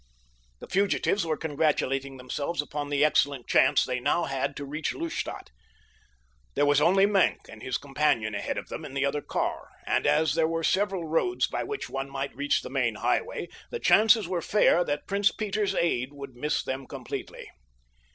The fugitives were congratulating themselves upon the excellent chance they now had to reach Lustadt. There was only Maenck and his companion ahead of them in the other car, and as there were several roads by which one might reach the main highway the chances were fair that Prince Peter's aide would miss them completely.